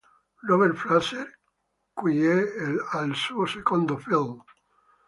Robert Frazer qui è al suo secondo film.